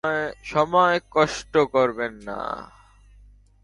সময় নষ্ট করবেন না।